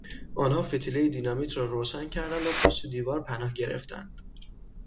آنها فتیلهی دینامیت را روشن کردند و پشت دیوار پناه گرفتند.